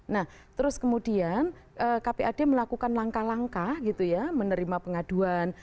nah terus kemudian kpad melakukan langkah langkah gitu ya menerima pengaduan